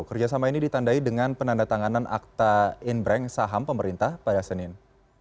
kerjasama ini ditandai dengan penandatanganan akta inbrank saham pemerintah pada senin